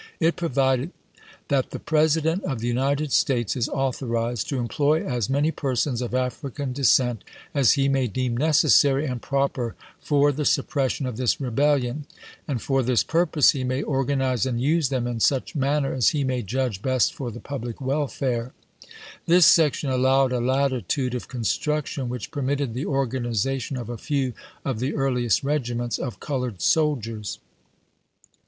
It provided: "That the President of the United States is authorized to em ploy as many persons of African descent as he may deem necessary and proper for the suppression of this rebellion, and for this purpose he may organ ize and use them in such manner as he may judge best for the public welfare." This section allowed a latitude of construction which permitted the organization of a few of the earliest regiments of colored soldiers.